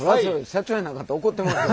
社長やなかったら怒ってますよ。